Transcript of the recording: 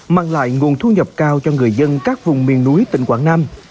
mang lại nguồn thu nhập cao cho người dân các vùng miền núi tỉnh quảng nam